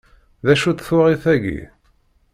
D acu-tt twaɣit-agi?